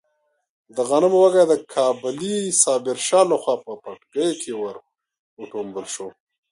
د غنمو وږی د کابلي صابر شاه لخوا په پټکي کې ور وټومبل شو.